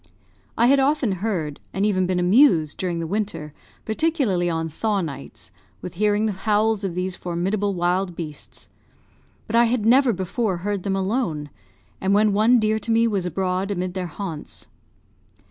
I had often heard, and even been amused, during the winter, particularly on thaw nights, with hearing the howls of these formidable wild beasts; but I had never before heard them alone, and when one dear to me was abroad amid their haunts.